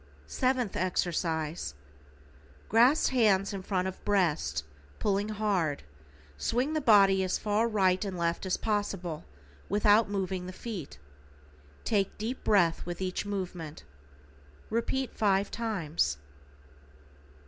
=SEVENTH EXERCISE:= Grasp hands in front of breast, pulling hard, swing the body as far right and left as possible without moving the feet, take deep breath with each movement. Repeat 5 times.